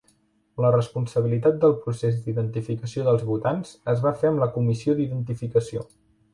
La responsabilitat del procés d'identificació dels votants es va fer amb la Comissió d'Identificació.